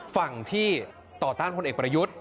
ฝั่งที่ต่อต้านพลเอกประยุทธ์